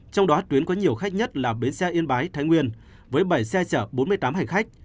trong đó tuyến có nhiều khách nhất là bến xe yên bái thái nguyên với bảy xe chở bốn mươi tám hành khách